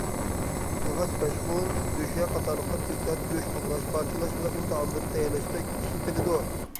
ياغاچ پەشخۇن، دۆشە قاتارلىقلار كۆكتات، گۆش توغراش، پارچىلاش ۋە ئۇن تائاملىرىنى تەييارلاشتا ئىشلىتىلىدۇ.